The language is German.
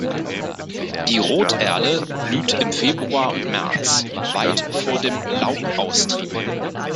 Die Rot-Erle blüht im Februar und März, weit vor dem Laubaustrieb.